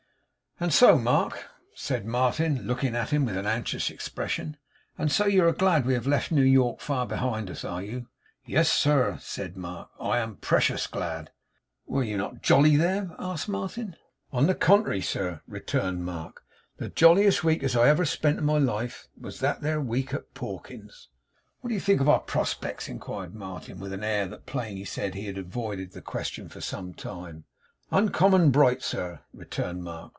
'And so, Mark,' said Martin, looking at him with an anxious expression, 'and so you are glad we have left New York far behind us, are you?' 'Yes, sir,' said Mark. 'I am. Precious glad.' 'Were you not "jolly" there?' asked Martin. 'On the contrairy, sir,' returned Mark. 'The jolliest week as ever I spent in my life, was that there week at Pawkins's.' 'What do you think of our prospects?' inquired Martin, with an air that plainly said he had avoided the question for some time. 'Uncommon bright, sir,' returned Mark.